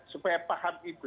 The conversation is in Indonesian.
supaya paham itu